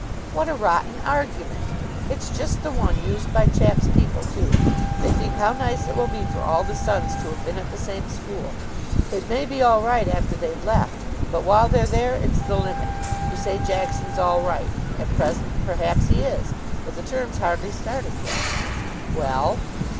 "What a rotten argument. It's just the one used by chaps' people, too. They think how nice it will be for all the sons to have been at the same school. It may be all right after they're left, but while they're there, it's the limit. You say Jackson's all right. At present, perhaps, he is. But the term's hardly started yet." "Well?"